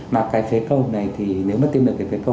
mà cái phế cầu này thì nếu mà tìm được cái phế cầu